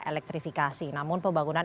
elektrifikasi namun pembangunan